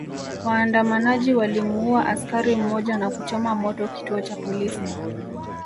Waandamanaji walimuua askari mmoja na kuchoma moto kituo cha polisi